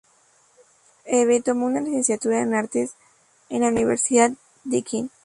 Eve tomó una licenciatura en artes en la Universidad Deakin.